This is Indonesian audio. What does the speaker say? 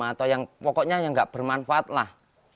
atau yang pokoknya yang nggak bermanfaat lah